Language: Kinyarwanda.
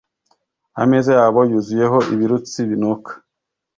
Ameza yabo yuzuyeho ibirutsi binuka,